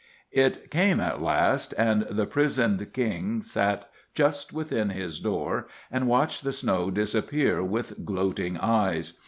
It came at last, and the prisoned King sat just within his door and watched the snow disappear with gloating eyes.